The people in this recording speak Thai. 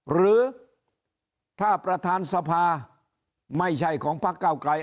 หรือถ้าประธานสภาไม่ใช่ของพักเก้าไกร